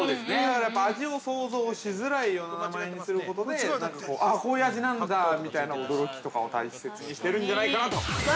味を想像しづらいような名前にすることでこういう味なんだみたいな驚きとかを大切にしてるんじゃないかなと。